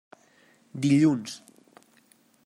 Dilluns.